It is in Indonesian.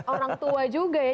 orang tua juga ya